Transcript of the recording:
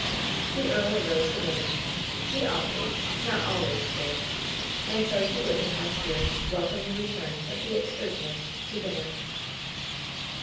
The earl arose the winner; he often — ^not always — did. And so he was in high spirits to welcome the re turn of the excursionists to dinner.